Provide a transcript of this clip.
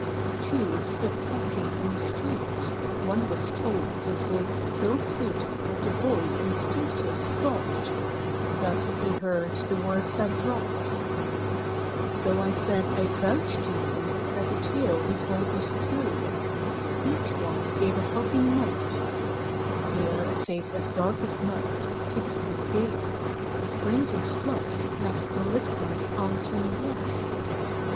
T WO stood talking in the street; One was tall, with voice so sweet That the hoy instinctive stopped ; Thus he heard the words that dropped: " So I said I'd vouch to you, That the tale he told was true; Each one gave a helping mite." Here a face as dark as Night, Fixed his gaze. The stranger's flush Met the list'ner's answering blush.